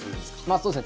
そうですね